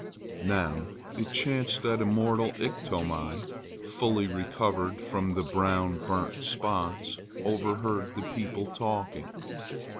Now it chanced that immortal Iktomi, fully recovered from the brown burnt spots, overheard the people talking.